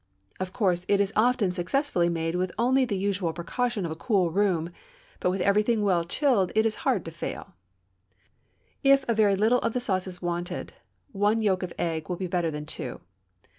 Of course it is often successfully made with only the usual precaution of a cool room, but with everything well chilled it is hard to fail. If very little of the sauce is wanted, one yolk of egg will be better than two.